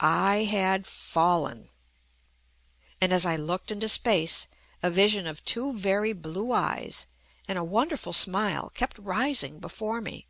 I HAD FALLEN — and as I looked into space a vision of two very blue eyes and a wonderful smile kept rising before me.